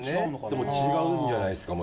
でも違うんじゃないですか？